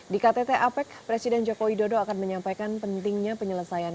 di ktt apec presiden joko widodo akan menyampaikan pentingnya penyelesaian